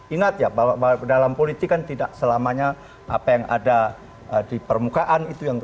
ingat ya bahwa dalam politik kan tidak selamanya apa yang ada di permukaan itu yang